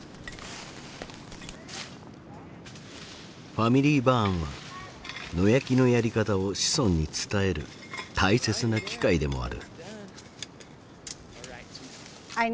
ＦａｍｉｌｙＢｕｒｎは野焼きのやり方を子孫に伝える大切な機会でもある。